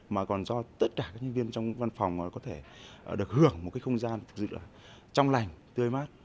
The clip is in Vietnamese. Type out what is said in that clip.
mà còn do tất cả các nhân viên trong văn phòng có thể được hưởng một cái không gian thực sự là trong lành tươi mát